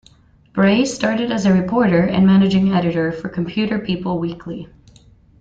Bray started as a reporter and managing editor for "Computerpeople Weekly".